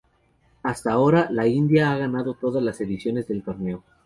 Hasta ahora, la India ha ganado todas las ediciones del torneo.